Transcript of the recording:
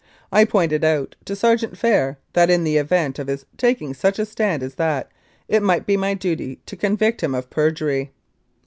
I pointed out to Sergeant Phair that in the event of his taking such a stand as that it might be my duty to convict him of perjury.